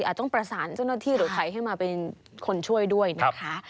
ต้องประสานเจ้าหน้าที่หรือใครให้มาเป็นคนช่วยด้วยนะคะ